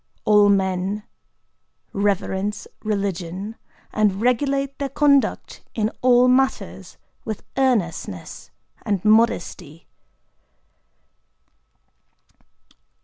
All men reverence religion, and regulate their conduct in all matters with earnestness and modesty."